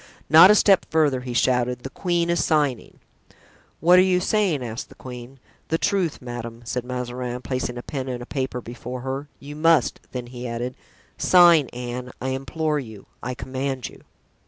"Not a step further," he shouted, "the queen is signing!" "What are you saying?" asked the queen. "The truth, madame," said Mazarin, placing a pen and a paper before her, "you must;" then he added: "Sign, Anne, I implore you—I command you."